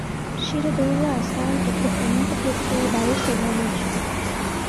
شیر داغ و عسل با تخم مرغ پخته برای صبحانهاش بود